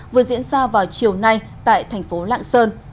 vừa diễn ra vào chiều nay tại thành phố lạng sơn